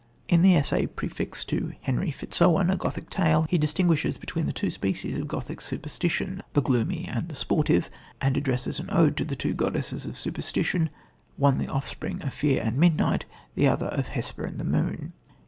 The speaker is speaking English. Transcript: In the essay prefixed to Henry Fitzowen, a Gothic Tale, he distinguishes between the two species of Gothic superstition, the gloomy and the sportive, and addresses an ode to the two goddesses of Superstition one the offspring of Fear and Midnight, the other of Hesper and the Moon.